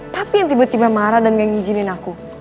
papi yang tiba tiba marah dan gak ngijinin aku